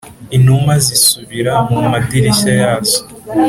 inuma zisubira mu madirishya yazo